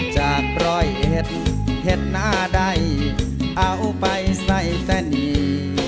จากรอยเห็ดเห็ดหน้าใดเอาไปใส่แต่หนี